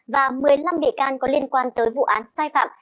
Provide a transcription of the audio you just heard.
và một mươi năm bị can có liên quan tới vụ án sai phạm